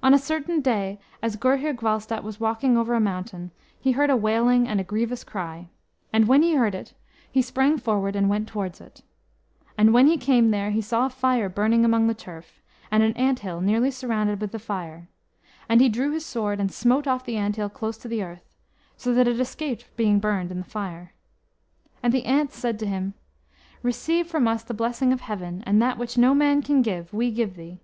On a certain day as Gurhyr Gwalstat was walking over a mountain, he heard a wailing and a grievous cry. And when he heard it, he sprang forward and went towards it. And when he came there, he saw a fire burning among the turf, and an ant hill nearly surrounded with the fire. And he drew his sword, and smote off the ant hill close to the earth, so that it escaped being burned in the fire. And the ants said to him, "Receive from us the blessing of Heaven, and that which no man can give, we give thee."